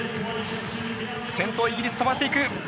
先頭イギリスとばしていく。